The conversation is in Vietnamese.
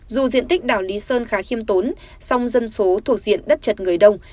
dù diện tích đảo lý sơn khá khiêm tốn song dân số thuộc diện đất chật người đông